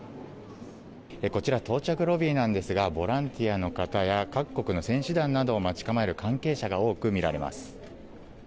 こちら到着ロビーなんですがボランティアの方や各国の選手団などを待ち構える関係者が多く見られます。